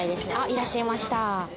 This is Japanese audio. いらっしゃいました。